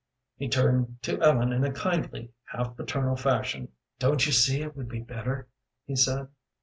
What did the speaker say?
He turned to Ellen in a kindly, half paternal fashion. "Don't you see it would be better?" he said.